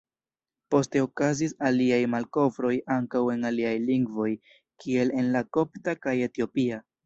Poste okazis aliaj malkovroj ankaŭ en aliaj lingvoj kiel en la kopta kaj etiopia.